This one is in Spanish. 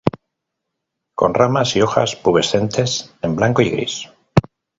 Con ramas y hojas pubescentes en blanco y gris.